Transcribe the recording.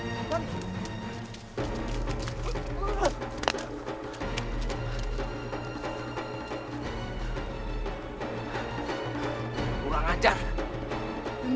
ini kan racun buat mematikan tanaman pak paiman